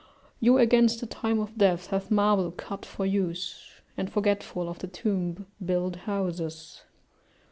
["You against the time of death have marble cut for use, and, forgetful of the tomb, build houses."